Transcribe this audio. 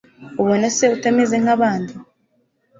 ubona se utameze nk'abandi.